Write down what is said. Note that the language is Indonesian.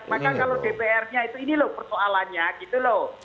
maka kalau dprnya itu ini loh persoalannya gitu loh